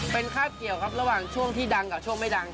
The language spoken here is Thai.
เป็นคาบเกี่ยวครับระหว่างช่วงที่ดังกับช่วงไม่ดัง